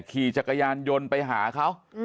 ขี่จักรยานยนต์ไปหาเขา